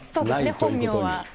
本名は。